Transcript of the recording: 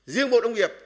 riêng bộ nông nghiệp